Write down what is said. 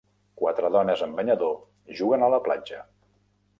Quatre dones en banyador juguen a la platja